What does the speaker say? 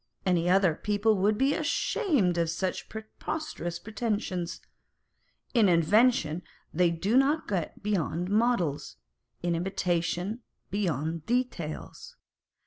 Any other people would be ashamed of such preposterous pretensions. In invention, they do not get beyond models ; in imitation, beyond details.